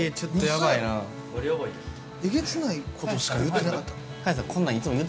えげつないことしか言うてなかった。